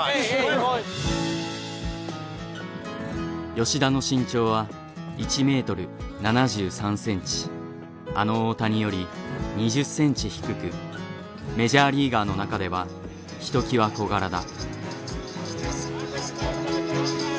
吉田の身長はあの大谷より２０ｃｍ低くメジャーリーガーの中ではひときわ小柄だ。